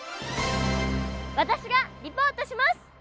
私がリポートします！